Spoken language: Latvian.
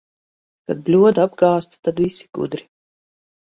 Kad bļoda apgāzta, tad visi gudri.